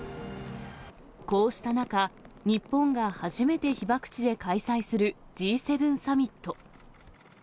こうした中、日本が初めて被爆地で開催するＧ７サミット。